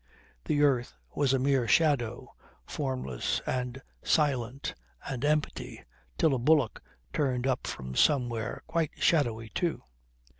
The earth was a mere shadow, formless and silent, and empty, till a bullock turned up from somewhere, quite shadowy too.